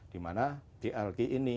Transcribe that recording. dimana di alg ini